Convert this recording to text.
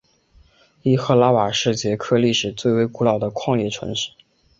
伊赫拉瓦是捷克历史最为古老的矿业城市。